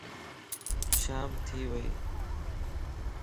شام ٿي ويئي